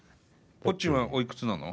ぽっちゅんはおいくつなの？